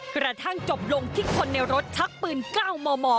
กระทั่งจบลงที่คนในรถชักปืน๙มม